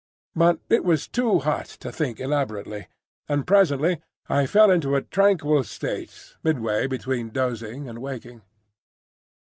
But it was too hot to think elaborately, and presently I fell into a tranquil state midway between dozing and waking.